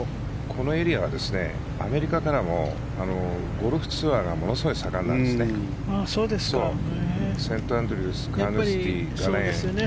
このエリアはアメリカからもゴルフツアーがものすごい盛んなんですね。